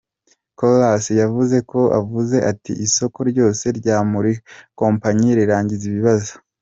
Kollas yavuze yavuze ati:"Isoko ryose ryo muri kompanyi ryagize ibibazo.